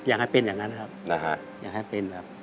อย่างให้เป็นอย่างนั้นนะครับ